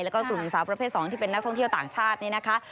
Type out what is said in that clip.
แล้วก็กลุ่มสาวประเภท๒ที่เป็นนักท่องเที่ยวต่างชาตินี่นะคะ